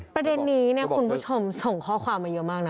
ประเด็นนี้คุณผู้ชมส่งข้อความมาเยอะมากนะ